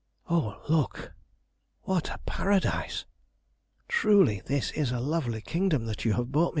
Oh, look! What a paradise! Truly this is a lovely kingdom that you have brought me to!"